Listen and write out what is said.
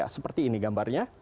seperti ini gambarnya